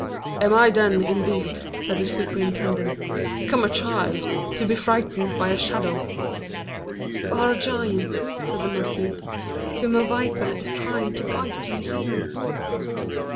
"Am I, then, indeed," said the superintendent, "become a child, to be frightened by a shadow?" "You are a giant," said the marquise, "whom a viper is trying to bite in the heel."